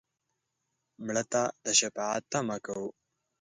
مړه ته د شفاعت تمه کوو